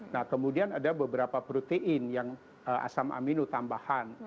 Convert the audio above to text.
nah kemudian ada beberapa protein yang asam amino tambahan